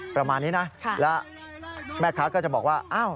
ประมาณนี้นะแล้วแม่ค้าก็จะบอกว่าอ้าว